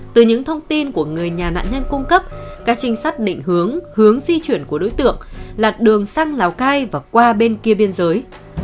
từ những thông tin của người nhà nạn nhân cung cấp các trinh sát định hướng hướng di chuyển của đối tượng là đường sang lào cai và qua bên kia biên giới